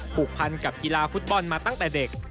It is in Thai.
ผูกพันกับกีฬาฟุตบอลมาตั้งแต่เด็ก